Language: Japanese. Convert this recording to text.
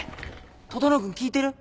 整君聞いてる？